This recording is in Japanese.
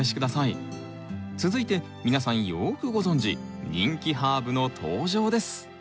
続いて皆さんよくご存じ人気ハーブの登場です！